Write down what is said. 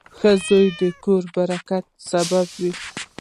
• ښه زوی د کور د برکت سبب وي.